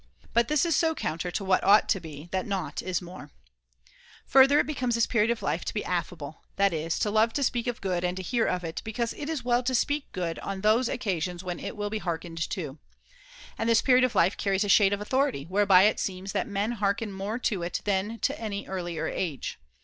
But this [1403 is so counter to what ought to be that nought is more.' .IV. XXVII. THE FOURTH TREATISE 369 Further, it becomes this period of life to be and affa affable, that is, to love to speak of good and to bility, hear of it, because it is well to speak good ^ on those occasions when it will be hearkened to. ^ And this period of life carries a shade of authority, whereby it seems that men hearken more to it than to any earlier age.